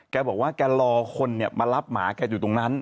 แกบอกว่าแกรอคนมารับหมาแกอยู่ตรงนั้น